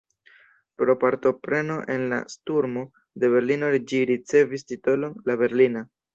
Pro partopreno en la sturmo de Berlino ĝi ricevis titolon «la Berlina».